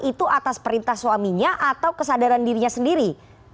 itu atas perintah suaminya atau kesadaran dirinya sendiri